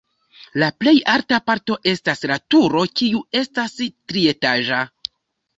La plej alta parto estas la turo, kiu estas trietaĝa.